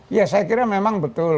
ya saya kira memang betul